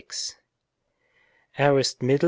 Aorist Mid.